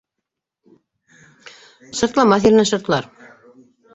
— Шыртламаҫ еренән шыртлар